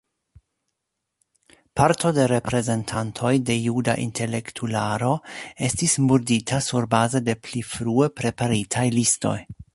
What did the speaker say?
Parto de reprezentantoj de juda intelektularo estis murdita surbaze de pli frue preparitaj listoj.